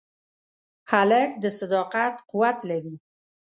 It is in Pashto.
هلک د صداقت قوت لري.